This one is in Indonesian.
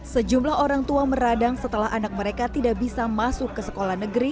sejumlah orang tua meradang setelah anak mereka tidak bisa masuk ke sekolah negeri